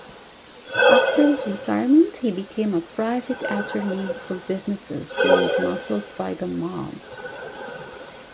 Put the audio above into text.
After retirement he became a private attorney for businesses being muscled by the mob.